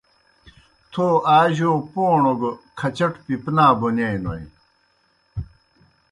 تھو آ جوْ پوݨوْ گہ کھچٹوْ پِپنَا بونِیائینوئے۔